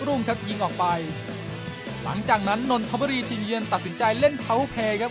รุ่งครับยิงออกไปหลังจากนั้นนนทบุรีทีมเยือนตัดสินใจเล่นเผาเพย์ครับ